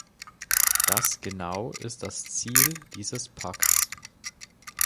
Das genau ist das Ziel dieses Pakts.